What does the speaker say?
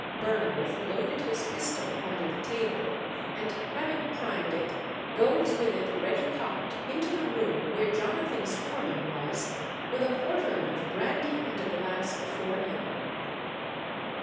Burnworth loaded his pistol under the table, and having primed it, goes with it ready cocked into the room where Jonathan's foreman was, with a quartern of brandy and a glass before him.